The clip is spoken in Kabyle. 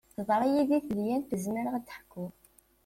Teḍra yidi tedyant ur zmireɣ ad ḥkuɣ.